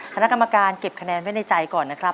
คณะกรรมการเก็บคะแนนไว้ในใจก่อนนะครับ